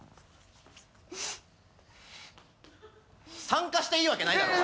参加していいわけないだろ。